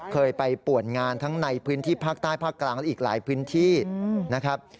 เคยไปป่วนงานทั้งในพื้นที่ภาคใต้ภาคกลางและอีกหลายพื้นที่นะครับ